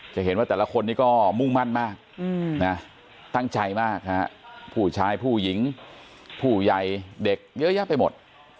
จะเห็นว่าแต่ละคนนี้ก็มุ่งมั่นมากตั้งใจมากฮะผู้ชายผู้หญิงผู้ใหญ่เด็กเยอะแยะไปหมด